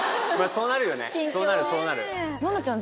そうなるそうなる。